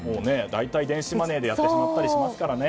大体、電子マネーでやってしまったりしますもんね。